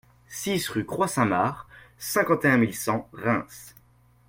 six rue Croix Saint-Marc, cinquante et un mille cent Reims